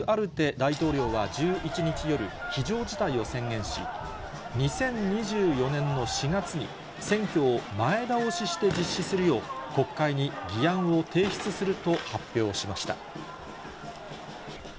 大統領は１１日夜、非常事態を宣言し、２０２４年の４月に、選挙を前倒しして実施するよう、国会に議案を提出すると発表しました。